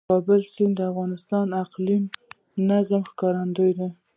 د کابل سیند د افغانستان د اقلیمي نظام ښکارندوی ده.